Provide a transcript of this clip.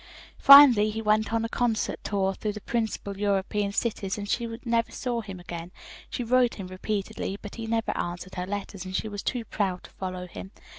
"Finally he went on a concert tour through the principal European cities, and she never saw him again. She wrote him repeatedly, but he never answered her letters, and she was too proud to follow him.